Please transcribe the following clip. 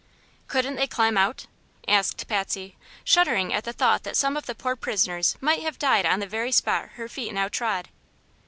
"Couldn't they climb out?" asked Patsy, shuddering at the thought that some of the poor prisoners might have died on the very spot her feet now trod.